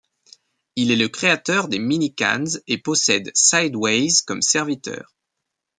Il est le créateur des Mini-cans et possède Sideways comme serviteur.